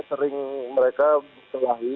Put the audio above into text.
sering mereka berlahir